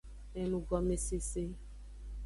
Enugomesese.